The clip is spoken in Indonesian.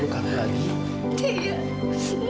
kamu kembali buat mama